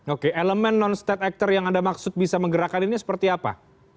oke elemen non state actor yang anda maksud bisa menggerakkan ini seperti apa